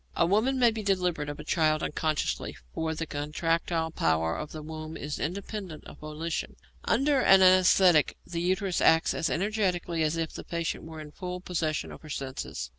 A woman may be delivered of a child unconsciously, for the contractile power of the womb is independent of volition. Under an anæsthetic the uterus acts as energetically as if the patient were in the full possession of her senses.